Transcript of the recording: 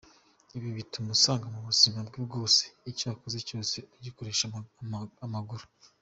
Ibi bituma usanga mu buzima bwe bwose icyo akoze cyose agikoresha amaguru.